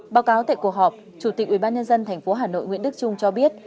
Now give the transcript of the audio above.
báo cáo tại cuộc họp chủ tịch ubnd tp hà nội nguyễn đức trung cho biết